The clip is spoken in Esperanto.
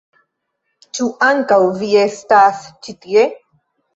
Ĉu ankaŭ vi estas ĉi tie?